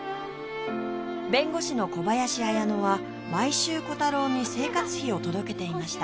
弁護士の小林綾乃は毎週コタローに生活費を届けていました